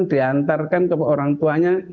diantarkan ke orang tuanya